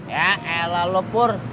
ya elah lo pur